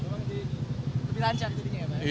memang lebih lancar jadinya ya pak